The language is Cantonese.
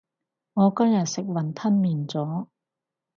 我今日食雲吞麵咗